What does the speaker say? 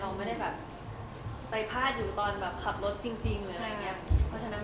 เราไม่ได้ไปพลาดอยู่ตอนขับรถจริงใช่ไงเพราะฉะนั้นบอร์ดไอแน่นอน